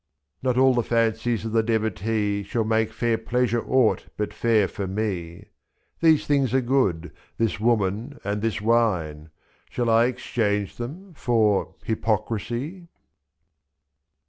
Not all the fancies of the devotee Shall make fair pleasure aught but fair for me: gi^hese things are good — this woman and this wine; Shall I exchange them for — hypocrisy?